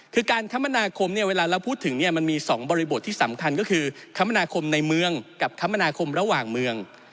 คือการคมนาคมเนี่ยเวลาเราพูดถึงเนี่ยมันมี๒บริบทที่สำคัญก็คือคมนาคมในเมืองกับคมนาคมระหว่างเมือง